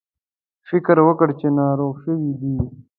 فکر وکړ چې ناروغ شوي دي.